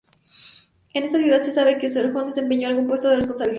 En esta ciudad se sabe que Sargón desempeñó algún puesto de responsabilidad.